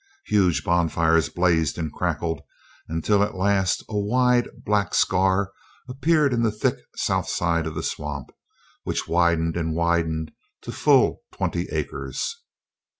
Huge bonfires blazed and crackled, until at last a wide black scar appeared in the thick south side of the swamp, which widened and widened to full twenty acres.